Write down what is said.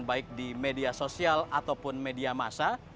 baik di media sosial ataupun media massa